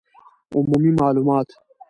عمومي معلومات